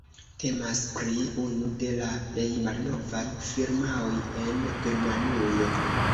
Temas pri unu de la plej malnovaj firmaoj en Germanujo.